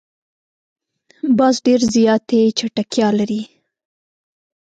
باز ډېر زیاتې چټکتیا لري